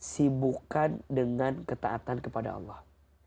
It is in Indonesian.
sibukkan dengan ketaatan kepada allah